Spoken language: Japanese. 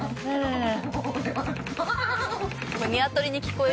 これ。